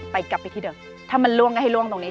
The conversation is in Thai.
กลับไปกลับไปที่เดิมถ้ามันล่วงก็ให้ล่วงตรงนี้